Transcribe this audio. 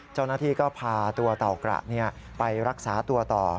เจ้าหน้าที่ก็พาตัวเต่ากระไปรักษาตัวต่อ